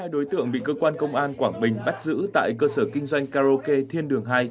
hai đối tượng bị cơ quan công an quảng bình bắt giữ tại cơ sở kinh doanh karaoke thiên đường hai